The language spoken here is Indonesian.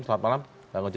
selamat malam bang oce